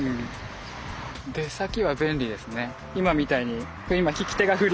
出先は便利ですね。